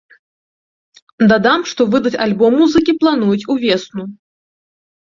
Дадам, што выдаць альбом музыкі плануюць увесну.